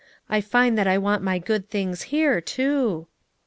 I find that I want my good things here, too."